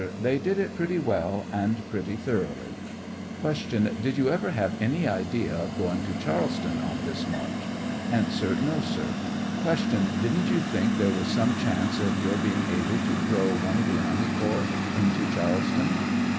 They did it pretty well and pretty thoroughly. Q. Did you ever have any idea of going to Charles ton on this march ? A. No, sir. Q. Didn't you think there was some chance of your being able to throw one of the army corps into Charles ton?